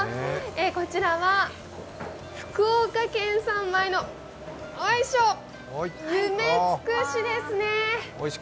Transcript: こちらは福岡県産米の夢つくしですね。